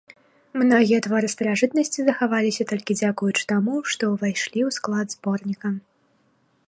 Многія творы старажытнасці захаваліся толькі дзякуючы таму, што ўвайшлі ў склад зборніка.